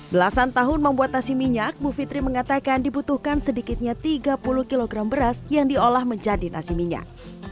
belasan tahun membuat nasi minyak bu fitri mengatakan dibutuhkan sedikitnya tiga puluh kg beras yang diolah menjadi nasi minyak